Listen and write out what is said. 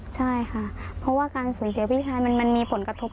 ใช่ค่ะเพราะว่าการสูญเสียพี่ชายมันมีผลกระทบ